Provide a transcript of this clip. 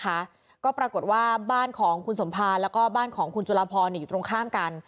ก็ปรากฏว่าบ้านของคุณสมภารแล้วก็บ้านของคุณจุลพรอยู่ตรงข้ามกัน